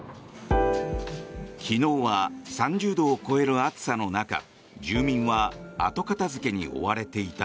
昨日は３０度を超える暑さの中住民は後片付けに追われていた。